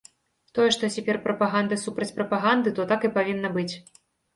Тое, што цяпер прапаганда супраць прапаганды, то так і павінна быць.